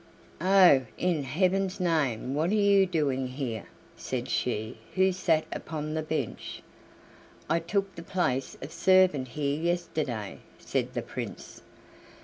"Oh! in heaven's name what are you doing here?" said she who sat upon the bench. "I took the place of servant here yesterday," said the Prince.